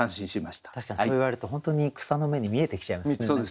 確かにそう言われると本当に草の芽に見えてきちゃいますね。